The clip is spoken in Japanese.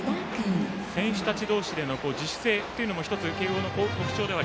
選手たち同士での自主性も１つ、慶応の特徴です。